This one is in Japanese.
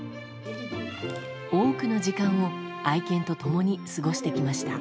多くの時間を愛犬と共に過ごしてきました。